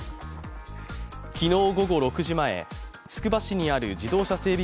昨日午後６時前、つくば市にある自動車整備